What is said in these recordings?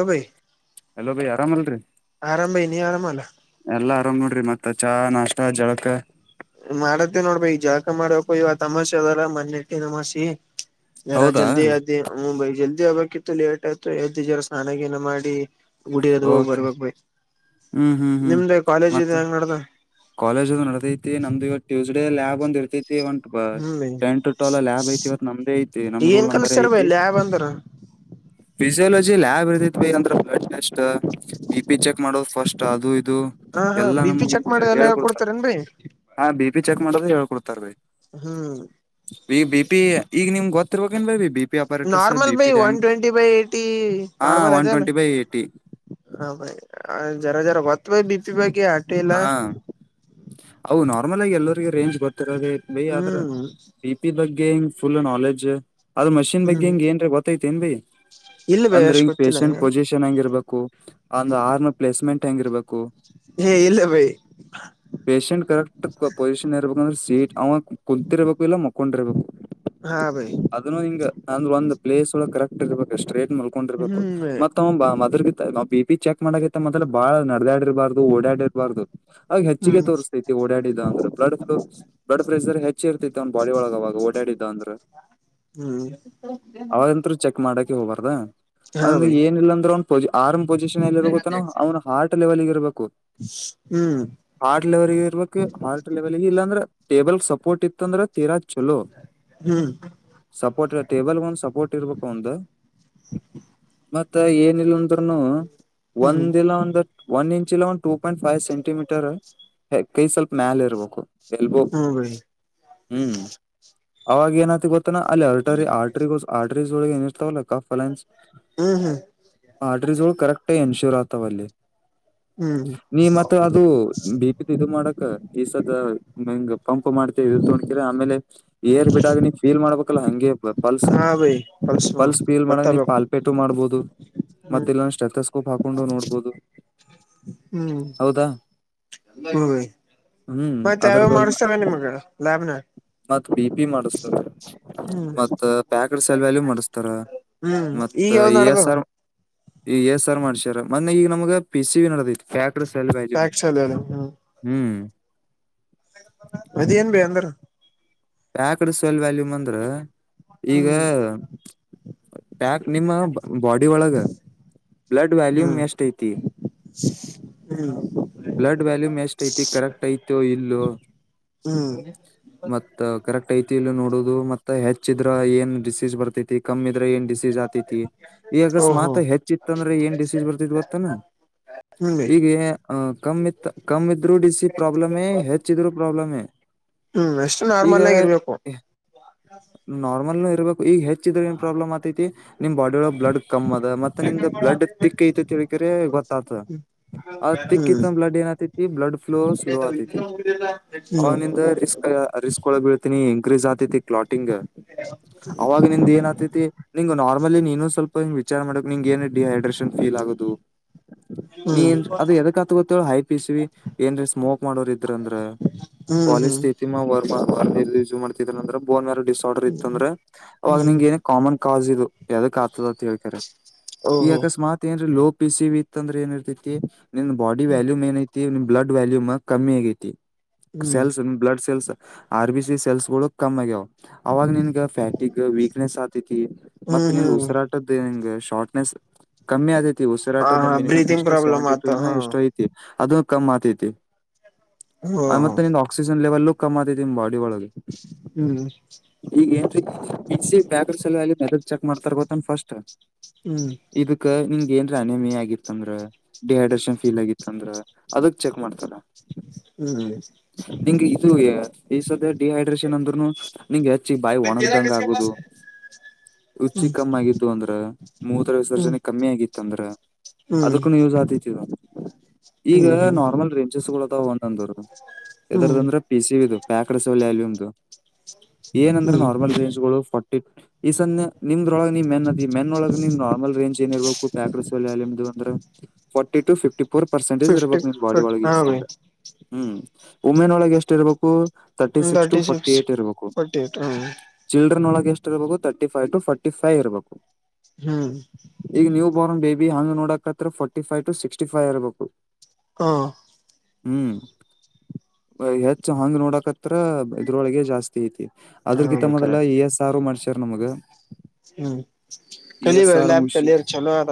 ಹ ಭೈ ಹಲೋ ರೀ ಆರಾಮಿಲ್ರಿ ಆರಾಮ್ ಭೈ ನೀ ಆರಾಮಲ್ಲ ಎಲ್ಲಾ ಆರಾಮ್ ನೋಡ್ರಿ ಮತ್ತ್ ಚಾ ನಾಷ್ಟ್ ಜಳಕ ಮಾಡತ್ತಿನ ನೋಡ ಬೈ ಈಗ ಜಳಕ ಮಾಡ್ಬೇಕು ಇವತ್ತ ಅಮಾಸಿ ಅದಲ್ಲ ಮಣ್ಣ ಎತ್ತಿನ ಅಮಾಸಿ ಜರಾ ಹೌದಾ ಜಲ್ದಿ ಎದ್ದಿ ಹ್ಮ ಬೈ ಜಲ್ದಿ ಎಳಬೇಕಿತ್ತ ಲೇಟ್ ಆಯ್ತು ಎದ್ದಿ ಜರ ಸ್ನಾನಾಗಿನ ಮಾಡಿ ಗುಡಿ ಅದು ಹೋಗ್ ಓಕೆ ಬರ್ಬೇಕ್ ಬೈ ಹ್ಮ್ ನಿಮ್ದ ಕಾಲೇಜ ಇದು ಹೆಂಗ ನಡ್ದದ್ ಕಾಲೇಜ್ದು ನಡದೈತಿ ನಮ್ದು ಈಗ ಟ್ಯೂಸ್ಡ ಲ್ಯಾಬ್ ಒಂದ ಇರ್ತೈತಿ ಈಗ ಒಂದ್ ಹ್ಮ್ ಬೈ ಟೆನ್ ಟು ಟ್ಟಲ್ ಲ್ಯಾಬ್ ಐತಿ ಇವತ್ ನಮ್ದೇ ಐತಿ ನಮ್ ಏನ್ ರೂಲ್ ನಂಬರ್ ಕಲ್ಸ್ತಾರ ಬೈ ಐತಿ ಲ್ಯಾಬ್ ಅಂದ್ರ ಫಿಸಿಯೊಲಜಿ ಲ್ಯಾಬ್ ಇರುತ ಬೈ ಅಂದ್ರೆ blood test B P check ಮಾಡೋದು ಫಸ್ಟ್ ಅದು ಇದು ಹ್ ಹ್ ಎಲ್ಲಾ ಬಿ ಪಿ ನಮ್ಗ ಚೆಕ್ ಮಾಡ್ ಹಿಂಗ ಹೇಳ್ಕೊಡ್ತಾರ ಹಾ ಬಿ ಪಿ ಚೆಕ್ ಮಾಡದು ಹೇಳ್ಕೊಡ್ತಾರ ಬೈ ಹ್ಮ್ ಈ ಬಿ ಪಿ ಈಗ ನಿಮ್ಗ್ ಗೊತ್ತಿರ ಬೇಕೇನ್ ಬೈ B P operators normal B ಭೈ ಪಿ ವನ್ ಹೆಂಗ್ ಟ್ವೆಂಟಿ ಬೈ ಐಟಿ ಹಾ ನೋರ್ಮಲ್ ಒನ್ ಅದೇ ಅಲ್ಲ್ ಟ್ವೆಂಟಿ ಬೈ ಏಟಿ ಹಾ ಬೈ ಜರ ಜರ ಗೊತ್ತ ಬೈ ಬಿಪಿ ಬಗ್ಗೆ ಅಟು ಇಲ್ಲ ಹಾ ಅವು ನಾರ್ಮಲ್ ಆಗಿ ಎಲ್ಲರಿಗು ರೇಂಜ್ ಗೊತ್ತಿರೋದೆ ಬೈ ಆದ್ರ್ ಹ್ಮ್ ಬಿ ಪಿ ಬಗ್ಗೆ ಹಿಂಗ್ ಫುಲ್ ನಾಲೆಜ್ ಅದ್ ಮಷಿನ್ ಬಗ್ಗೆ ಹ್ಮ್ ಹಿಂಗ ಏನ್ರೆ ಗೊತ್ತೈತ ಏನ್ ಬೈ ಇಲ್ಲ ಬೈ ಅಂದ್ರ ಅಷ್ಟ್ ಹಿಂಗ್ ಪೇಶಂಟ್ ಗೊತ್ತಿಲ್ಲ ಪೊಸಿಷನ್ ಹಂಗಿರ್ಬೇಕು ಅಂದ್ ಆರನ್ ರ್ಪ್ಲೇಸ್ಮೆಂಟ್ ಹಂಗಿರ್ಬೇಕು ಏ ಇಲ್ಲ ಬೈ [inaudible] ಪೇಶೆಂಟ್ ಕರೆಕ್ಟ್ ಪೊಸಿಷನ್ ಇರ್ಬೇಕಂದ್ರ ಸೀಟ್ ಅವ ಕುತ್ತಿರ್ಬೇಕು ಇಲ್ಲ ಮಕ್ಕೊಂಡಿರ್ಬೇಕು ಹಾ ಭೈ ಅದನ್ನು ಹಿಂಗ ಅಂದ್ರ ಒಂದ್ ಪ್ಲೇಸ್ ಒಳ ಕರೆಕ್ಟ್ ಇರ್ಬೇಕು ಸ್ಟ್ರೇಟ್ ಮಲ್ಕೊಂಡ ಇರ್ಬೇಕು ಮತ್ತ್ ಹ್ಮ ಮದ್ಲ ಬಿ ಬಿ ಪಿ ಚೆಕ್ ಮಾಡಕಿತ್ತ ಮದಲ ಬಾಳ ನಡದ್ಯಾಡಿರ್ಬಾರ್ದು ಓಡಾಡಿರ್ಬಾರ್ದು ಅವಾಗ ಹೆಚ್ಚಿಗೆ ತೋರಿಸಸ್ತೈತಿ ಓಡಾಡಿದ ಅಂದ್ರ ಬ್ಲಡ ಬ್ಲಡ್ ಪ್ರೆಷರ್ ಹೆಚ್ಚ ಹೆಚ್ಚೆ ಇರ್ತೈತಿ ಅವನ ಬಾಡಿ ಒಳಗ ಅವಾಗ ಓಡಾಡಿದ್ದ ಅಂದ್ರ ಹ್ಮ್ ಅವಾಗಂತ್ರು ಚೆಕ್ ಮಾಡಕ ಹೋಗಬಾರ್ದ ಅದ್ರ ಏನಿಲ್ಲಾ ಅಂದ್ರ ಪೊ ಆರ್ಮ್ ಪೊಸಿಷನ್ ಎಲ್ಲಿ ಇರಬೇಕಾನ ಅವ್ನ ಹಾರ್ಟ್ ಲೆವೆಲ್ಗ ಇರಬೇಕು. ಹ್ಮ ಹಾರ್ಟ್ ಲೆವೆಲ್ ಇರ್ಬೇಕು ಹಾರ್ಟ್ ಲೆವೆಲ್ ಇಲ್ಲ ಅಂದ್ರ ಟೇಬಲ್ ಸಪೋರ್ಟ್ ಇತ್ತ ಅಂದ್ರ ತೀರಾ ಚಲೋ ಸಪೋರ್ಟ್ ಟೇಬಲ್ ಗ ಒಂದ ಸಪೋರ್ಟ್ ಇರ್ಬೇಕ ಒಂದು ಮತ್ತ ಏನ ಇಲ್ಲ ತೃನು ಒಂದಲ್ಲ ಒಂದ ಒನ್ ಇಂಚ್ ಇಲ್ಲ ಒಂದು ಟೂ ಪಿಂಟ್ ಫೈವ್ ಸೆಂಟಿಮೀಟರ್ ಕೈ ಸ್ವಲ್ಪ ಮ್ಯಾಲ ಇರ್ಬೇಕು ಎಲ್ಬೋ ಹ್ಮ್ ಬೈ ಹ್ಮ ಅವಾಗ ಏನತ ಗೊತ್ತನಾ ಅಲ್ಲಿ ಆರ್ಟ್ರ ಆಟ್ರಗ ಆರ್ಟ್ರಸ್ ಒಳಗ ಏನ ಇರ್ತಾವಲ್ಲಕ್ಕ ಅಲಾನ್ಸ್ ಹ್ಮ್ ಆರ್ಡ್ರ ಜವ ಕರಕ್ಟ್ ಎನ್ಶೂರ್ ಆತ ಒಲ್ಲಿ ಹ್ಮ ನೀ ಮತ್ತ ಅದು ಉ ಬಿಪಿದ ಇದು ಮಾಡಕ್ ಈಸದ ಮಂಗ ಪಂಪ್ ಮಾಡ್ತವಿ ಇ ತಗೊಂಡತರ ಆಮೇಲ ಏರ್ ಬಿಡಾಗ ನೀ ಫೀಲ್ ಮಾಡ್ಬೇಕಲ್ಲಾ ಹಂಗೆ ಪಲ್ಸ್ ಹಾ ಬೈ ಕಲ್ಸು ಪಲ್ಸ್ ಫೀಲ್ ಮಾಡಗ ನೀ ಗೊತ್ತಾಗಬೇಕು ಪಾಲ್ಪೇಟು ಮಾಡ್ಬದು ಹ್ಮ್ ಮತ್ತ ಇಲ್ಲ ಶೆತಸ್ಕೋಪ್ ಹಾಕೊಂಡು ನೋಡ್ಬದು. ಹ್ಮ ಹ ಹ್ಮ್ ಮತ್ತ ಅದ್ರ ಯಾವವ ಮಾಡಾಸತರ ನೀಮ್ಮ ಲ್ಯಾಬ್ ನಾಗ ಮತ್ತ್ ಬಿ ಪಿ ಮಾಡಸ್ತಾರ ಹ್ಮ್ ಮತ್ತ ಪ್ಯಾಕಡ್ ಸಲ್ವ್ಯಾಲ ಮಾಡಸ್ತಾರ. ಹ್ಮ್ ಮತ್ತ ಈಗ ಯಾವ್ ಎ ಎಸ್ ನಡ್ದಾವ ಆರ್ ಎ ಎಸ್ ಆರ್ ಮಾಡ್ಸಾರ ಮನ್ನೆ ಈಗ ನಮ್ಗ ಪಿ ಸಿ ಬಿ ನಡದೈತಿ. ಫಾಟ್ರ್ ಸೆಲ್ ವಾಜಿಮ್ ಪ್ಯಾಕ್ಸ್ ಅಲ್ಲ ಹ್ಮ್ ಹ್ಮ ಅದೇನ ಬೆ ಅಂದ್ರ ಪ್ಯಾಕ್ಡ್ ಸಲ್ ವ್ಯಾಲ್ಯೂಮ ಅಂದ್ರ ಈಗ ಹ್ಮ್ ಪ್ಯಾಕ್ ನಿಮ್ಮ ಬಾಡಿ ಒಳಗ ಬ್ಲಡ್ ವ್ಯಾಲ್ಯೂಮ್ ಎಷ್ಟ ಐತಿ. ಹ್ಮ ಬ್ಲಡ್ ವ್ಯಾಲ್ಯೂಮ್ ಎಷ್ಟ ಐತಿ ಕರೆಕ್ಟ್ ಐತ ಇಲ್ಲೋ. ಹ್ಮ ತ್ತ ಕರೆಕ್ಟ್ ಐತಿ ಇಲೋ ಇಲ್ಲ ನೋಡುದು ಮತ್ತ ಹೆಚ್ಚಿದ್ರ ಏನ್ ಡಿಸೀಸ್ ಬರ್ತೈತಿ. ಕಮ್ಮ ಇದ್ರ ಏನ ಡಿಸೀಜ ಆತತಿ. ಈಗ ಅಕ್ಸ ಓಹೋ ಮಾತ ಹೆಚ್ಚಿತ್ತ ಅಂದ್ರ ಏನ್ ಡಿಸೀಜ್ ಬರ್ತಿತ ಗೋತ್ತನ ಹ್ಮ್ ಬೈ ಈಗ ಆ ಕಮ್ಮಿತ ಕಮ್ಮಿದ್ರು ಡಿ ಸಿ ಪ್ರಾಬ್ಲಮೇ ಹೆಚ್ಚಿದ್ರು ಪ್ರಾಬ್ಲಮೇ. ಹ್ಮ ಅಷ್ ಈಗ ನಾರ್ಮಲ್ ಇರ್ಬೇಕು ಈಗ ಹೆಚ್ಚಿದ್ರ ಏನ್ ಪ್ರಾಬ್ಲಮ್ ಆತೈತಿ. ನಿಮ್ಮ ಬಾಡಿ ಒಳಗ ಬ್ಲಡ್ ಕಮ್ಮ ಅದ ಮತ್ತ ನಿಂದ ಬ್ಲಡ್ ತಿಕ್ ಐತ ತಿಳ್ಕ್ರ ಗೊತ್ತ ಆತದ. ಅ ಹ್ಮ್ ತಿಕ್ಕಿತ್ತ ಬ್ಲಡ್ ಏನತಿತ್ತ ಬ್ಲಡ್ ಫ್ಲೋ ಸ್ಲೋ ಹ್ಮ್ ಹ್ಮ್ ಆತೈತಿ ಅವನಂದ ರಿಸ್ಕ್ ರಿಸ್ಕ್ ಕಳ ಬೀಳ್ತಿನಿ ಇನ್ಕ್ರೀಸ್ ಆತೈತಿ ಕ್ಲಾಟಿಂಗ್ ಅವಾಗ ನಿಂದ ಏನ್ ಆತೈತಿ. ನಿಂಗ ನಾರ್ಮಲಿ ನೀನು ಸ್ವಲ್ಪ ವಿಚಾರ ಮಾಡಬೇಕ ನಿಂಗ ಏನ ಡಿಹೈಡ್ರೇಷನ್ ಫೀಲ್ ಆಗದು. ನೀ ಏನ್ ಅದ ಎದಕ ಆತ್ ಗೊತ್ತ ಹೈ ಪಿಸ್ವಿ ಏನ್ರೀ ಸ್ಮೋಕ್ ಮಾಡೋರ ಇದ್ರ ಅಂದ್ರ ಹ್ಮ ಹ್ಮ ಯಸ್ ಮಾಡ್ತಿದ ಅಂದ್ರೆ ಬೋನ್ ಯಾರ ಡಿಸ ಆರ್ಡರ್ ಇತ್ತು ಅಂದ್ರೆ ಅವವಾಗ ಹ್ಮ್ ನಿಂಗ ಏನ ಕಾಮನ್ ಕಾಜ ಇದು ಯದಕ್ ಆಗ್ತದ ಅಂತ ಹೇಳ್ಕಾರೆ ಈ ಓಹೋ ಅಕಸ್ಮಾತ್ ಏನೋ ಲೋ ಪಿ ಸಿ ವಿ ತ್ತ ಅಂದ್ರ ಏನಿರ್ತೈತಿ ನಿನ್ ಬಾಡಿ ವ್ಯಾಲ್ಯೂಮ್ ಏನ ಐತಿ ನಿನ್ ಬ್ಲಡ್ ವ್ಯಾಲ್ಯೂಮ್ ಕಮ್ಮಿ ಆಗೈತಿ. ಹ್ಮ್ cells blood cells R B C cells ಗಳು ಕಮ್ಮ ಆಗ್ಯಾವ್ ಅವಾಗ ನಿನ್ಗ ಫ್ಯಾಟಿಗ ವೀಕ್ನೆಸ್ ಆತತಿ ಹ್ಮ್ ಮತ್ತೆ ನಿನ್ ಹ್ಮ್ ಉಸಿರಾಟದು ನಿನ್ ಶಾರ್ಟ್ನೆಸ್ ಕಮ್ಮಿ ಅಗ್ಯತಿ ಹ ಉಸಿರಾಟದ ಹಾ ಮಿನಿಮ್ ಬ್ರೀದಿಂಗ್ ಎಷ್ಟ ಪ್ರಾಬ್ಲಮ್ ಸೆವೆಂಟಿ ಟೂ ಆತ ಹಾ ಎಷ್ಟುಐತಿ ಅದ ಕಮ್ಮ್ ಆತೈತಿ ಹೋ ಹೋ ಮತ್ತೆ ನಿ ಆಕ್ಸಿಜನ್ ಲೆವೆಲ್ಲು ಕಮ್ಮ್ ಆತೈತಿ ನಿಮ್ ಬಾಡಿೊಳಗೆ ಹ್ಮ್ ಈಗ ಏನ್ ಇಸಿ ಬ್ಯಾೇಕ್ರ ಸಲುವ ಮದ ಚೆಕ್ ಮಾಡ್ತಾರ ಗೊತ್ತನ್ ಫಸ್ಟ್ ಹ್ಮ್ ಇದಕ್ಕ ನಿಂಗ್ ಏನ್ರ ಅನ ಮಿ ಆಗಿರ್ತನ್ರ ಡಿಹೈಡ್ರೇಷನ್ ಫೀಲ್ ಆಗಿತ್ತ ಅಂದ್ರ ಅದಕ್ ಚೆಕ್ ಮಾಡ್ತಾರ ಹ್ಮ್ ದ ಡಿಹೈಡ್ರೇಷನ್ ಅಂದ್ರರುನು ನಿಂಗ್ ಹೆಚ್ಚಿ ಬಾಯಿ ಒಣಗ್ದಂಗ ಆಗುದು ಹ್ಮ್ ರುಚಿ ಕಮ್ಮ ಆಗಿದ್ದು ಅಂದ್ರ ಮೂತ್ರರ ಹ್ಮ್ ವಿಸರ್ಜನೆ ಕಮ್ಮಿ ಆಗಿತ್ತ ಅಂದ್ರ ಹ್ಮ್ ಅದಕ್ಕನು ಯೂಸ್ ಆದೈತಿದು ಈಗ ಹ್ಮ್ ಹ್ಮ್ ನಾರ್ಮಲ್ ರೇಂಜಸ್ ಗಳದಾವ ಒಂದಂದರು ಎದಾರ್ದ ಹ್ಮ್ ಅಂದ್ರೆ ಪಿ ಸಿಿದ ಪ್ಯಾಕ್ಸಲ್ಲ್ಯಮು ಏನಂದ್ರೆ ಹ್ಮ್ ನಾರ್ಮಲ್ ರೇಂಜ್ಗಳು ಫಾರಟಿ ಈ ಸನ್ನೆ ನಿಮ್ದೊಳಗ್ ನಿಮ ಮೆನ್ ಅದ ಮೆನ್ೊಳ ನಿಮ್ ನಾರ್ಮಲ್ ರಂಜ್ ಏನ್ ಇರ್ಬೇಕು ಪ್ಯಾಕೆಡ್ಸ್ ನಿಮ್ದು ಅಂದ್ರೆ ಫಾರ್ಟಿ ಟ ಫಿಫ್ಟಿ ಫರ್ಸೆಂಟಜ್ ಫಿಫ್ಟಿ ಇರಬೇಕ ನಿನ್ ಬಾಡಿ ಹಾ ಒಳಗೆಷ್ಟೆ ರೀ ಹ್ಮ್ ವುಮೆನ್ ಒಳಗೆ ಎಷ್ಟ ಇರ್ಬೇಕು thirty six to forty eight ಇರ್ಬೇಕು ಫೋರ್ಟಿ ಏಟ್ ಹ್ಮ್ ಚಿಲ್ಡ್ರನ್ ಒಳಗ ಎಷ್ಟ ಇರಬೇಕು ತರ್ಟಿಫೈವ ಟ ಫ್ಟಿ ಫೈವ ಇರಬೇಕು ಹ್ಮ್ ಈಗ ನೀವು ಬಾರ್ನ್ ಬೇಬಿಂಗ ಆಂಗ್ ನೋಡಕತ್ತತ್ರ forty five to sixty five ಇರಬೇಕು ಹಾ ಹ್ಮ್ ಹೆಚ್ ಹಂಗ್ ನೋಡಕತ್ರ ಇದ್ರೊಳಗೆ ಜಾಸ್ತಿ ಐತಿ ಹಾ ಅದ್ರಕಿಂತ ರೀ ಮೊದಲ ಕರೆಕ್ಟ್ ಎ ಎಸ್ ಸಾರು ಮಾಡ್ಸಾರ ನಮಗ ಹ್ಮ್ ಇ ಕಲಿ ಎಸ್ ಬರ್ ಆರ್ ಲ್ಯಾಬ್ ಲ ಮುಗಿಸಿ ಕಲಿಯಾರ್ ಚಲೋ ಆರ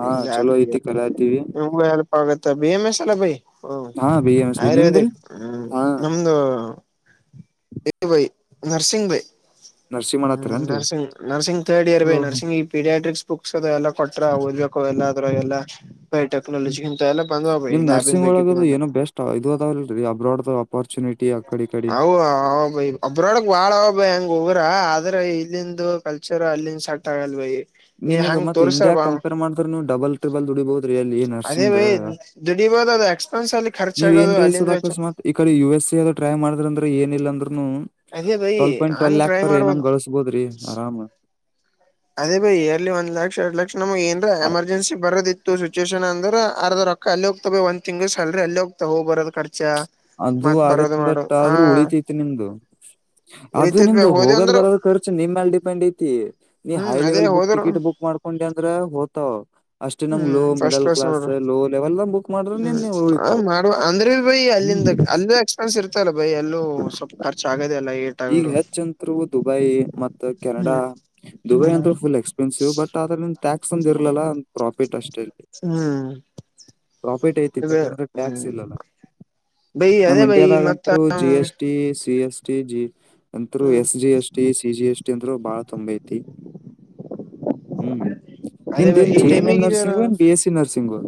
ಹಾ ಇ ಚಲೋ ಐತಿ ಕಲಾತೀವಿ ಬಮಸಲ್ಲ ಬ ಹ್ಮ ಹಾ ಬಿ ಎಂ ಎಸ್ ಬಿ ನಿಮ್ದ್ರಿ ಆಯುರ್ವೇದಿಕ್ ಹ್ಮ್ ಹಾ ನಮ್ದು ಬೈ ನರಸಿಂಗ್ ಭೈ ನರಸಿಂಗ್ ಮಾಡ ಹತ್ತರ ಏನ್ರರಿ ನರ್ಸಂಗ್ ತರ್ಡ್ ಇಯರ್ ಪೇ ನರ್ಸಿಂಗ ಪೀಡಿಯಾಟ್ರಿಕ್ಸ್ ಬುಕ್ಸ್ ಅ ಎಲ್ಲ ಕೊಟ್ರ ಓದ್ಬೇಕು ಎಲ್ಲ್ರ ಅದರಾಗ ಎಲ್ಲ ಚಿಕನ್ ತಲ್ಲ ಬಂದಬ ನಿಮ್ ನರ್ಸಿಂಗ್ ಬೇಕಿ ಒಳಗದು ಏನೋ ಬೆಸ್ಟ್ ಇದು ಅದವಲ್ ರಿ ಅಬ್ರೋಡ್ ಒಪ್ಪುರ್ಟುನಿಟಿ ಹೌ ಹ ಭೈ ಒಬ್ರೊಡಗ್ ಬಾಳ ಅವ ಭಯಿ ಹಂಗ ಉಗ್ರ ಆದ್ರ ಇಲ್ಲಿಂದು ಕಲ್ಚರ್ ಅಲ್ಲಿನ್ ಸಕ್ಟ್ ಆಗಲ್ ಭಯ ನಿಮಗ್ ಮತ್ತೆ ಇಂಡಿಯಾ ಕಂಪೇರ್ ಮಾಡಿದ್ರೆ ನೀವು ಡಬಲ್ ದುಡಿಬಹದ್ರಿ ಅಲ್ಲಿ ಅದೇ ನರ್ಸಿಂಗ್ ಬೈ ದುಡಿಬೋದ ಅದು ಎಕ್ಸ್ಪೆನ್ಸ್ ಅಲ್ಲಿ ನೀವ ಏನ್ ಖರ್ಚಾಗೋದು ರೀಸೋದ ಅಲ್ಲಿಂದ ವೆಚ್ಚ ಅಕಸ್ಮತ್ ಈ ಕಡೆ ಯು ಎಸ್ ಎ ಯ್ ಟ್ರೈ ಮಾಡ್ರ ಅಂದ್ರೆ ಏನಿಲ್ಲ ಅಂದ್ರೂನು ಅದೇ ಬೈ ಟ್ವೆಲ್ ಪಾಯಿಂಟ್ ಟ್ವಲ್ ಹಂಗ್ ಲಾಕ್ ಟ್ರೈ ಪೇರ್ ಮಾಡ್ಬೋದ ಅನ್ನುಂ ಗಳಿ ಬೋದ್ರಿ ಆರಾಮ ಅದೇ ಬೈ ಇಯರ್ಲಿ ಒ್ ಲಕ್ಷ ಎರಡ್ ಲಕ್ಷ ನಮ್ಗೆ ಏನ್ ಎಮರ್ಜನ್ಸಿ ಬರೋದಿತ್ ಇ ಸಿುಚುಷನ್ ಅಂದ್ರೆ ಅರ್ಧ ರೊಕ್ಕ ಅಲ್ಲಿ ಹೋಗ್ತವೆ ಒಂದ್ ತಿಂಗ್ ಸಲ್ರಿ ಅಲ್ಲಿ ಹೋಗ್ತವೆ ಹೋಗ್ ಬರದು ಖರ್ಚು ಅದು ಆಗತ್ ಬಟ್ ಆದ್ರೂ ಉಳಿತೈತಿ ನಿಮ್ದು ಅದು್ ಉಳಿತಿದ್ ಬ ನಿಮ್ದು ಹೋದೆ ಹೋಗೋದ್ ಅಂದ್ರು ಬರೋದ ಖರ್ಚು ನಿಮ್ಮ್ಯಲ್ ಡಿಪೆಂಡ್ ಐತಿ. ನೀ ಹೈ ಹ್ಮ್ ಅದೇ ಲೆವೆಲ್ ಬುಕ್ ಹೋದ್ರು ಟಿಕೆಟ್ ಬುಕ್ ಮಾಡ್ಕೊಂಡೆ ಅಂದ್ರೆ ಹೋ್ತಾವ. ಅಷ್ಟೇ ನಮ್ಗ್ ಹ್ಮ್ ಲೋ ಫಸ್ಟ್ ಮಿಡಲ್ ಕ್ಲಾಸ್ ನೋಡ್ರಿ ಲೋ ಲೆವೆಲ್ ನ ಬುಕ್ ಮಾಡ್ರೆ ಹ್ಮ್ ನಿಮ್ವು ಆ ಉಳಿತವು. ಮಾಡುವ ಅಂದ್ರೆ ಬೈ ಅಲ್ಲಿಂದ ಅಲ್ಲ ಎಕ್ಸ್ಪೆನ್ಸ್ ಇರ್ತಲ್ಲ ಬೈ ಅೂ ಸ್ವಲ್ಪ ಖರ್ಚ ಆಗದೆ ಅಲ್ಲ. ಈಗ ಆಗಿರು ಹೆಚ್ ಅಂತರು ದುಬೈ ಮತ್ತ ಕೆನಡಾ ಹ್ಮ್ ದುಬೈ ಅಂತರು ಫುಲ್ ಎಕ್ಸ್ಪೆನ್ಸಿವ್ ಬಟ್. ಟ್ ಆದದ್ರ ಟ್ಯಾಕ್ಸ್ ಒಂದ ಇರಲಲ್ಲ ಪ್ರಾಫಿಟ್ ಅಷ್ಟೇ. [inaudible] ಪ್ರಾಫಿಟ್ ಐತಿ ಅದೇ ಬೇಕಂದ್ರೆ ಟ್ಯಾಕ್ಸ್ ಹ್ಮ್ ಇಲ್ಲ. ಬೈ ನಮ್ ಅದೇ ಬೈ ಮತ್ತ ಇಂಡಿಯಾದಾಗಂತರು G S T C S T G. ಅಂತರು ಹ್ಮ್ S G S T C G S T ಅಂದ್ರು ಬಾಳ ತೊಂಬೆ ಐತಿ. ಹ್ಮ್. ಅದೇ ಬೈ ನಿಮ್ದನ್ ಜ ಈ ಎನ್ ಎಂ್ ಟೈಮಿಗೆ ನರ್ಸಿಂಗ ಬಿ ಎಸ್ ಸಿ ನರ್ಸಿಂಗುಸ್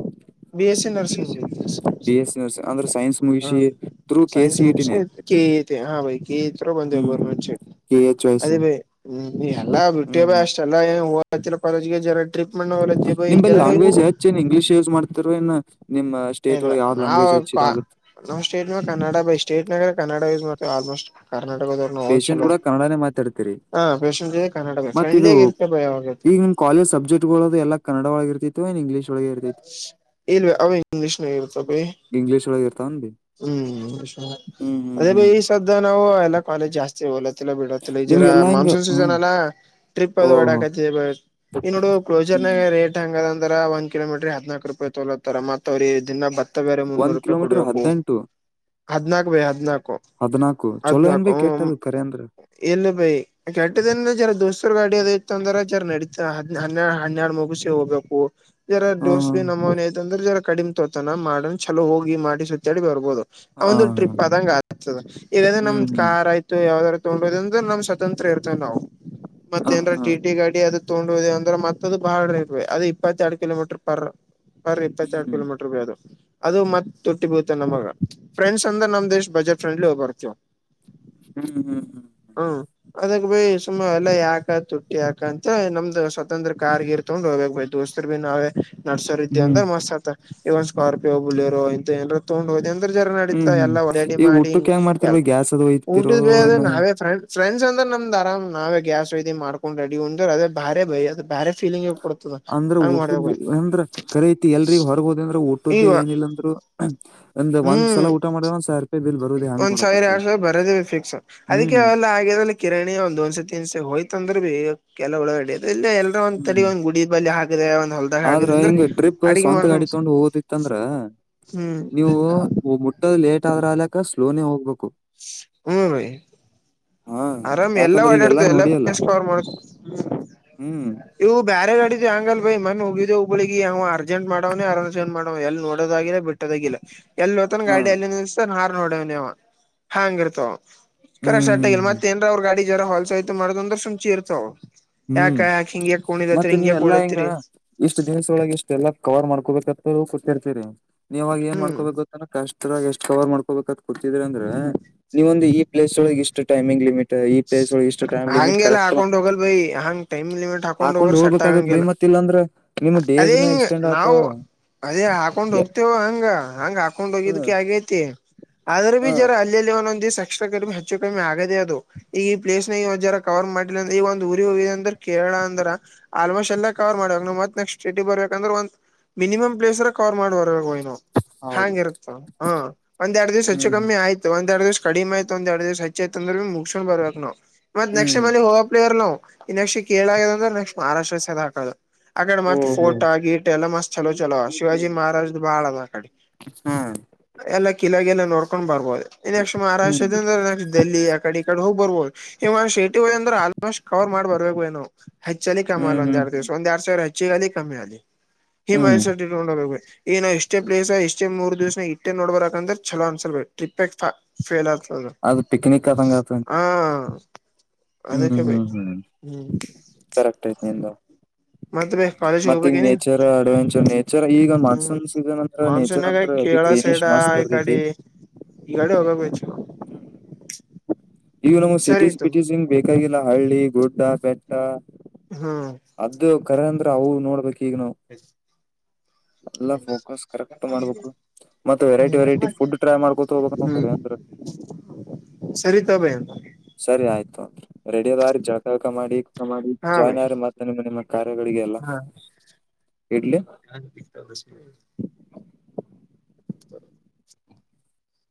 B S C nursing B. S C. ಅಂದ್ರೆ ಸೈನ್ಸ್ ಮೂವಿ ೂ ಕೆ ಸೈನ್ಸ್ ಸಿ ಇ ಟಿನೆ. ಮುಗಿಸಿ ಕೆ ತೆ ಹಾ ಕೆ ತೆಅಂತ. ಬಂದ ಹ್ಮ್ ಗೋರ್ಮೆಂಟ್ ಕೆ.ಎಚ್ ವಾಯ್ಸ್ ಅದೇ ಬೈ ಎಲ್ಲಾ ಬಟ್ಟಿಯ ಹ್ಮ್ ಬ ಅಷ್ಟೇ. [inaudible] [inaudible] ನಿಮಲ್ಲಿ ಲ್ಯಾಂಗ್ವೇಜ್ ಹೆಚ್ಚ ನ್ ಇಂಗ್ಲೀಷ್ ಯೂಸ್ ಮಾಡ್ತಾರ ಏನ್ ನಿಮಮ್ಮ. ಸ್ಟೇಟ್ ಒಳ ಯಾವ ಲಾಂಗ್ವೇ್ಚ್ಚಿದ ಆಾಗೆಮತ್ತೆ. ನಾವು ಸ್ಟೇಟ್ ಮಾಗ ಕನ್ನಡ ಬೈ ಸ್ಟೇಟ್ ನ ಕನ್ನಡ ಆಲ್ಮೋಸ್ಟ್ ಕರ್ನಾಟಕದವ್ರು ನ ಚಲೋ. ತಡ್ತೀರಿ. ಹಾ ಪೇಷಂಟ್ದೆ ಕರ್ಟಕ ಫ್ರೆಂಡ್ಲಿ ಆಗ ಇರುತ್ತೆ ಬೈ ಯಾವಾಗಲೂ. ಕಾಲೇಜ ಸಬ್ಜೆಕ್ಟ್ಗಳು ಅ ಎಲ್ಲನ್ನಡಳ ಇರ್ತಿತ್ತು ಇಂಗ್ಲಷ್ಳಗ ಇರ್ೈತಿ. ಇಲ್ವ ಅವ ಇಂಗ್ಲಿೀಷ್ ನ ಇಳ್ತ ಬೈ. ಇಂಗ್ಲಷ ಒಳಗೆ. ಹ್ಮ್ ಹ್ಮ್ ಹ್ಮ್ ಅದೇ ಹ್ಮ್ ಈ ಸತಿ. ನಾವು ಎಲ್ಲಾ ಕಾಲೇಜ್ ಜಾಸ್ತಿ ಓಲತಿಿಲ್ಲ ಬಿಡಿಲ್ಲ ಇದರ ನಿಮ್ಗೆಲ್ಲಾ ಹಿಂಗ ಮಾನ್ಸೂನ್ ಹ್ಮ್ ಸೀಸನ್ ಎಲ್ಲಾ. ಟ್ರಿಪ್ ಓ ಅದು ಡಕತ್ತ ಈ ನೋಡು ಕ್ಲೋಜರ್ ಹ್ಮ್ ನಾಗ ರೇಟ್ ಹಂಗ ಅದ ಅಂದ್ರ ಒಂದ. ಕಿಲೋಮೀಟ್ರ ಹದಿನಾಕು ರೂಪಾಯಿ ತೋಲತ್ತಾರ ಮತ್ತತ್ ಅವ್ರ ದಿನ ಬತ್ತ ಬೇರೆ ಮುನ್ನೂರು ಒಂದ್ ರೂಪಾಯಿ ಕಿಲೋಮೀಟರ್ ಕೊಡ್ಬೇಕು. ಹದ್ನೆಂಟು ಹದ್ನಾಾಕು ಬೈ ಹದ್ನಾಾಕು ಹದ್ನಾಕು ಚಲೋ ಏನ್ ಬೈ ಹದ್ನಾಕು ಕೆಟ್ಟ ಹ್ಮ. ಅದು ಕರೆ ಅಂದ್ರ ಎಲ್ಲ ಬೈ ಕೆಟ್ಟದ ಜರ ದೋಸ್ರು ಗಾಡಿ ಅದ ಇತ್ತು ಅಂದ್ರ ಜರ ನಡತ. ಹನ್ನೆರಡು ಹನ್ನೆರಡು ಮುಗುಿಸಿ ಹೋಗ್ಬೇಕು. ಜರ ಹ ಡೋಸ್ ಬಿ ನಮೋನ್ ಐ್ ಅಂದ್ರ ಜರ ಕಡಿಮೆ ತತಾನ ಮಾಡ ಚಲ ಹೋಗಿ ಮಾಡಿ ಸುತ್ತಾಡಿ ಬರ್ಬೋದು. ಹ ಒಂದು ಟ್ರಿಪ್ ಆದಂಗ ಆಗ್ತದ ಈಗ್ರೆ ಹ್ಮ್ ನಮ್ದ್ ಹ್ಮ್ ಕಾರ್ ಆಯ್ತು. ಯಾವ್ದದಾರ ತೊೊಂಡೋದಂದ್ರ ನಮ್ ಸ್ವತಂತ್ರ ಇರ್ತೇ ನಾವು ಹ ಮತ್ತೇಏನರ ಟ ಹ ಟಿ ಗಾಡಿ ಅದ. ತಗೊಂಡುದದೆ ಅಂದ್ರೆ ಮತ್ತದದು ಬಾಳ ಇರ್ ಅದು ಇಪ್ಪತ್ತ ಎರಡ್ ಕಿಲೋಮೀಟರ್ ಪರ್. ಅರಿ ಇಪ್ಪತ್ತೆರಡು ಹ್ಮ್ ಕಿಲೋಮೀಟರ್ ಬೈ ಅದು. ಅದು ಮತ್ ತೊಟ್ಟಿ ಬೀತ ನಮಗ ಫ್ರೆಂಡ್ಸ್ ಅಂದ್ರ ನಮ್ ದೇಶ್ ಬಜೆಟ್ ಫ್ರೆಂಡ್ಲಿ ಹೋಗ್ ಬರ್ತವ. ಹ್ಮ್ ಹ್ಮ್ ಹ್ಮ್. ಹ್ಮ ಅದಾಗ ಬೈ ಸುಮ ಎಲ್ಲ ಯಾಕ ತುಟ್ಟಿ ಯಾಕ ಅಂತ ನಮ್ದು ಸ್ವತಂತ್ರ ಕಾರ್ಗಿರ್. ಹು ದೋಸ್ತರ ಬಿನ್ಾವ. ನಡ್ಸೋರ್ ಇದ್ದೆ ಹ್ಮ್ ಅಂದ್ರೆ ಮಸ್ತ್ತ ಇವನ್ ಸ್ಕಾರ್ಪಿಯೋ ಬುಲ್ರೋ ಇಂತ ಏಾರ ತೊೊಂಡ್ ಹೋದ ಅ. ಜರ ಹ್ಮ್ ನಡೀತಾ ಹ್ಮ್ ಎಲ್ಲ ಹೊಡಾಡಿ ಈ ಮಾಡಿ ಊಟಕ್ಕೆ ಹೆಂಗ್ ಮಾಡ್ತಿರ್ ಬೈ ಗ್ಯಾಸ್ ಅದು ಒಯ್ತಿರೋ ಊಟದ ಬೇ ಏನ್ ನಾವೇ. ಫ್ರ ಡ್ಸ್ ಅಂದ್ರ ನಮ್ದುರಾಮ್ ನಾವೇ ಗ್ಯಾಸ್ ಐ್ ಮಾಡ್ಕೊಂಡ್ ರೆಡಿ ಉಂದ್್ರ ಅದೇ ಭಾರಿ ಬೈಯ. ಬೇರೆಫೀಲಿಂಗ್. ಅಂದ್ರ ಟ ಅಂದ್ರ. ಕರಿಯತಿ ಎಲ್ರಿಗ್ ಹೊರಗೋದ ಅಂದ್ರೆ ಊಟದ್ದೇ ಈಗ ಏನಿಲ್ಲ ಅಂದ್ರರು ಒಂದ ಒಂದ್ ಹ್ಮ್ ಸಲ ಊಟ ಮಾಡಿದ ಒಂದ್ ಸಾವಿರ ರೂಪಾಯಿ ಬಿಲ್ ಬರುದೇ ಹಂಗ್ ಒಂದ್ ಸಾವಿರ ನೋಡಕತ್ರ ಎರಡ್ ಸಾವಿರ ಬರೋದವಿ ಫಿಕ್ಸ್ ಅದಕ್ಕೆ ಹ್ಮ್ ಎಲ್ಲ ಆಗಿದ ಕಿರಣಿ ಒಂದ ಒಂದ್ಸತಿ ಇನ್ಸ ಹೋಯ್ತ ಅಂದ್ರೆ ಬಿ ಕೆಲ ಒಳ ಇಲ್ಲ ಎಲ್ಲ ಒಂದ ತಡೆ ಹ್ಮ್ ಒಂದ ಗುಡ ಬಿ ಹಾಕ [inaudible] ಆದ್ರ ಹಿಂಗ ಟ್ರಿಪ್ ಸ್ವಂತ ಗಾಡಿ ತೊಂಡು ಹೋದಿತ್ತ ಅಂದ್ರ ಹ್ಮ್ ನೀವು ಲೇಟ್ ಆದ್ರ ಆಲಕ್ಕ ಸ್ಲೋನೇ ಹೋಗ್ಬೇಕು ಹ್ಮ ಹಾ ಆರಾಮ ಎಲ್ಲಾ ಯಾಕಂದ್ರೆ ಈಗೆಲ್ಲಾ ಓಡಾಡ್ತು ಎಲ್ಲಾ ನೋಡಿಯಲ್ಲ ಪರ್ ಮಾಡ ಹ್ಮ್ ಇ ಬೇರೆ ಗಾಡಿದು ಹಂಗಲ್ ಬೈ ಮನೆ ಹೋಗಿದ್ದಿದೆ ಹಬ್ಳಿಗೆ ಅರ್ಜಂಟ್ ಮಾಡವೇ ಅರ್ ಮಾಡವ ಎಲ್ಲಿ ನೋಡದಾಗಿರ ಬಿಟ್ಟ ದಿಲ್ಲ ಎಲ್ಲಿ ಹ್ತಾನ ಹಾ ಗಾಡಿಿಯಲ್ಲಿ ನಿಲ್ಲಸ್ತಾನ ಹಾರ್ ನೋಡವವ ಹಾಂಗ ಇರ್ತವ ಕರೆಕ್ ಸ್ಟಾರ್ಟ ಆಗಿಲ್ಲ ಹ್ಮ್ ಮತ್ತತ್ೇಏನ್ ಅವ್ರ ಗಾ ಜವರ ಹ ಹೊಲ್ಸ ಮಾಡ್ ಅಂದ್ರೆ ಸುಂಚಿ ಇರ್ತಾವ ಹ್ಮ್ ಯಾಕಾಕಕ್ ಹಿಂಗಗೆ್ಯಾಾಕ ಮತ್ತ ಕುೋಿದತ್ರಿ ಹಿಂಗ್ಯಾಕ ನೀವೆಲ್ಲಾ ಹಿಂಗ ಒಳಲತ್ತರಿ ಇಷ್ಟ್ ದಿನ್ಸೊಳಗೆ ಇಷ್ಟ ಎಲ್ಲಾ ಕವರ್ ಮಾಡ್ಕೊಬೇಕಂತ ಗೊತ್ತಿರ್ತರಿ ನೀವಾಗ ಏನ್ ಹ್ಮ್ ಮಾಡ್ಕೋಬೇಕುತ್ತ ಕಷ್ಟ್ರ ಎಷ್ಟ್ ಕವರ್ ಮಾಡ್ಕೋಬೇಕತ್ ಕುಡ್ತಿದ್ರಿ ಅಂದ್ರೆ ನೀವ ಒಂದು ಈ ಪ್ಲೇಸ್ ಒಳ ಇಷ್ಟು ಟೈಮಿಂಗ್ ಲಿಮಿಟ್ ಈ ಪ್ಲೇಸ್ ಒಳಗ್ ಇಷ್ಟ್ ಟೈಮ್ ಲಿಮಿಟ್ ಕರೆಕ್ಟ್ ೈಮ ಲಮಟ್ [unintelligible] ಹಾಕೊಂಡ್ ಹೋಗ್ಬೇಕಾಗತ್ ಬೈಮತ್ ಇಲ್ಲಾಂದ್ರೆ ಅದೇಂಗ ನಾವು [unintelligible] ಅದೇ ಹಾಕೊಂಡ್ ಹೋಗ್ತೇವ ಹಂಗ ಹಂಗ್ ಹಾಕೊಂಡ್ ಹೋಗಿದಕ ಹ್ಮ್ ಆಗೇತಿ ಆದ್ರ ಬಿ ಹ್ಮ್ ಜರ ಅಲ್ಲಿ ಇಲ್ಲಿ ಒಂದೊಂದು ದಕ್ಷಷ್ಟ ಕಡಿಮೆ ಹೆಚ್ಚು ಕಮ್ಮಿ ಆಗದೆೇ ಅದು ಈಗ ಈ ಪ್ಲೇಸ್ ನ ಇವ ಜರ ಕವರ್ ಮಾಡ್ಲಿಲ್ಲ ಅಂದ್ರ ಈಗ ಒಂದ್ ಊರಿ ಹೋಗಿ ಅಂದ್ರ ಕೇೇಳಳ ಅಂದ್ರ ಆಲ್ಮೋಸ್ಟ್ ಎಲ್ಲ ಕವರ್ ಮಾಡವಾಗ ಮತ್ ನೆಕ್ಸ್ಟ್ ಸೇಟಿ ಬರ್ಬೇಕಂದ್ರ ಒಂದ ಮಿನಿಮ್ೇಸ್ರ ಕವರ್ ಮಾಡ ಬರ್ಬೇಕನು ಹೌದು ಹಾಂಗ ಇರುತ್ತ ಹಾ ಒಂದೆರಡ್ ದಿವ್ಸ ಹೆಚ್ಚು ಹ್ಮ್ ಹ್ಮ್ ಕಮ್ಮಿ ಆಯ್ತು ಒಂದೆರಡ್ ದಿವ್ಸ ಕಡಿಮೆ ಆಯ್ತು ಒಂದೆರಡು ದಿವ್ಸು ಚೇತ ಅಂದ ಮುಗಸೊಂಡ್ ಬರ್ಬೇಕಕ್ ನಾವು ಮತ್ ಹ್ಮ್ ನೆಕ್ಸ್ಟ್ಟಲ್ಲಿ ಹ ಪ್ಲೇರ್ ನವು ನೆಕ್ಟ್ ಕೇಳಾಗದಂದ್ರೆ ನೆಕ್ಸ್ಟ್ ಮಾರಾಷ್ಟ್ರ ಸ ಹಾಕೋದು ಆಕಡೆ ಓ ಮತ್ತತ್ ಫೋಟೋ ಆ ಗೀಟ್ ಎಲ್ಲ ಮತ್ ಚಲೋ ಚಲೋ ಶಿವಾಜಿ ಮಹಾರಾಜ್ದ್ ಬಾಳ ಅ್ ಆಕಡೆ ಹ್ಮ ಎಲ್ಲ ಕಿಲಗೆಲ್ಲ ನೋಡ್ಕೊಂಡ್ ಬರ್ಬೋದು ನೆಕ್ಸ್ಟ್ ಮಹಾರಾಷ್ಟ್ರದ ಹ್ಮ್ ಅಂದ್ರೆ ನೆಕ್ಸ್ಟ್ ಡೆಲ್ಲಿ ಆಕಡೆ ಹೋಗ್ ಬರ್ಬೋದು ಈವ ಶೇಟಿ ಅಂದ್ರೆ ಆಲ್ಮೋಸ್ಟ್ ಕವರ್ ಮಾಡ್ ಬರ್ಬೇಕು ಏನು ಹೆಚ್ಚಲ್ಲಿ ಕಮ ಅಲ್ಲ ಒಂದೆ ಹ್ಮ್ ಎರ ದಿವಸ ಒಂದಂದು ಎರಡು ಸಾವಿರ ಹೆಚ್ಚಿಗಲಿ ಕಮ್ಮಿ ಆಲಿ ಹಿ ಮನ ಹ್ಮ್ ತೊಂಡೋಗ ನ ಎಷ್ಟೇ ಪ್ಲೇಸ್ ಎಷ್ಟೇ ಮೂರ್ ದಿವ್ಸನ ಇಟ್ಟೇ ನೋಡ್ಬಾರಬೇಕಕಂದ್ರೆ ಚಲೋ ಅನ್ಸಲ್ಬೇಕೇ ಟ್ರಿಪ್ ಲತ ಅದು ಪಿಕ್ನಿಕ್ ಆದಂಗ ಆತಂತೆ ಹಾ [unintelligible] ಹ್ಮ್ ಅದಕ್ಕೆ ಬು ಹ್ಮ್ ಹ್ಮ್ ಹ್ಮ್ ಕರೆಕ್ಟ್ ಐತತಿ ನಿದ ಮತ್ತ ಬೈ ಕಾಲೇಜ್ ಮತ್ತ ಈಗ ಹೋಗ್ಬೇಕೇನಿ ನೇಚರ್ ಅಡ್ವೆಂಚರ್ ನೇಚರ್ ಈಗ ಮಾನ್ಸೂನ್ ಸೀಸನ್ ಅಂತ್ರ ನೇಚರ್ ಮಾನ್ಸೂನ್ಾಗ ಅಂತ್ರ ಹೆವಿ ಕೇಳ ಸೈಡ ಗ್ರೀನಿಶ್ ಮಸ್ತ್ ಈ ಇರ್ತೈತಿ ಕಡೆ ಈಗಡೆ ಹೋಗ್ಬೇಕಚ್ಚು ಇವು ನಮ್ಗೆ ಸಿಟೀಸ್ ಸರಿತು ಬಿಟೀಸ್ ಹಿಂಗ್ ಬೇಕಾಗಿಲ್ಲ ಹಳ್ಳಿ ಗುಡ್ಡ ಬೆಟ್ಟ ಹ್ಮ್ ಅದ ಕರೆ ಅಂದ್ರೆ ಅವು ನೋಡ್ಬೇಕಕ್ ಈಗ ನಾವು ಎ [inaudible] ಎಲ್ಲ ಫೋಕಸ್ ಕರೆಕ್ಟ್ ಮಾಡ್ಬೇಕು ಮತ್ತೆರೈಟಿ ಹ್ಮ್ ವೆೈಟ ಫುಡ್ ಟ್ರೈ ಮಾಡ್ಕೊತ ಹೋಗಬೇಕ ನವು ಕರರಿ ಅಂದರಿ ಸರಿತಾ ಬಯ ಅಂತ ಸರಿ ಆಯ್ತು ಅಲ್ರಿ ರೆಡಿಯದುಆಗಿ ಜಳಕಾಗೀಳಕಾ ಮಾಡಿ ಹಾ ಭೈ ಜಾಯಿನ್ ಆಗರೀ ಮತ್ತ ನಿಮ್ಮ ನಿಮ್ಮ ಕಾರ್ಯಗಳಿಗೆ ಎಲ್ಲಾ ಹಾ ಇಡ್ಲಿ [unintelligible] [unintelligible]